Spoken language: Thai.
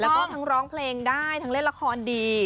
แล้วก็ทั้งร้องเพลงได้ทั้งเล่นละครดี